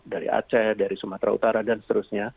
dari aceh dari sumatera utara dan seterusnya